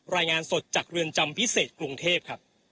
รายงานสดจากเรือนจำพิเศษกรุงเทพครับ